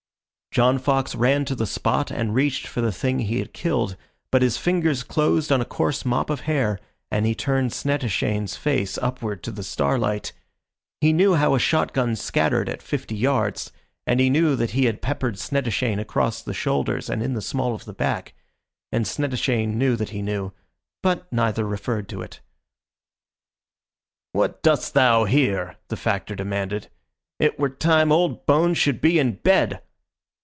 John Fox ran to the spot and reached for the thing he had killed, but his fingers closed on a coarse mop of hair and he turned Snettishane's face upward to the starlight. He knew how a shotgun scattered at fifty yards, and he knew that he had peppered Snettishane across the shoulders and in the small of the back. And Snettishane knew that he knew, but neither referred to it "What dost thou here?" the Factor demanded. "It were time old bones should be in bed."